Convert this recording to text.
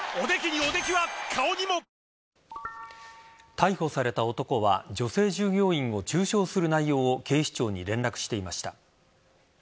逮捕された男は女性従業員を中傷する内容を警視庁に連絡していました。